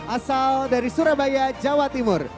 asal dari surabaya jawa timur